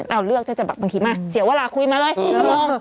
เราเลือกจะจับบัตรบางทีมาเสียเวลาคุยมาเลยลง